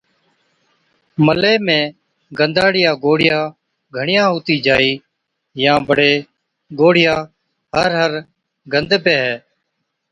ملي ۾ گندا هاڙِيا گوڙهِيا گھڻِيا هُتِي جائِي يان بڙي گوڙهِيان هر هر گند بيهَي